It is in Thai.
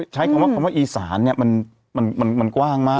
ใช้คำว่าคำว่าอีสานเนี่ยมันกว้างมาก